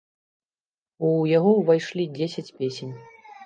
У яго ўвайшлі дзесяць песень.